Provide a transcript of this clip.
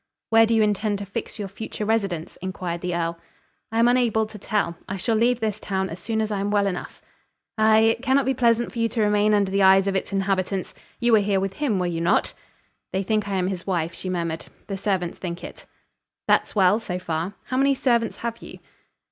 "Where do you intend to fix your future residence?" inquired the earl. "I am unable to tell. I shall leave this town as soon as I am well enough." "Aye. It cannot be pleasant for you to remain under the eyes of its inhabitants. You were here with him, were you not?" "They think I am his wife," she murmured. "The servants think it." "That's well, so far. How many servants have you?"